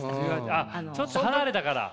あっちょっと離れたから！